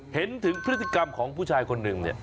เห็นถึงพฤติกรรมของผู้ชายคนหนึ่ง